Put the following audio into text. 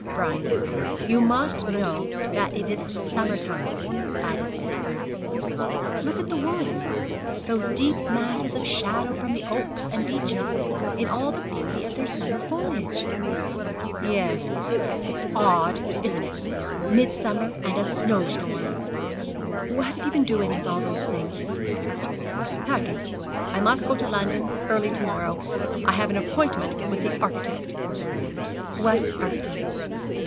'Brian, you must know that it is summer time,' Ida said, firmly. 'Look at the woods those deep masses of shadow from the oaks and beeches in all the beauty of their summer foliage. 'Yes; it's odd, isn't it? midsummer, and a snow storm!' 'What have you been doing with all those things?' 'Packing. I must go to London early to morrow. I have an appointment with the architect.' 'What architect?'